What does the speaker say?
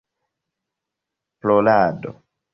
Plorado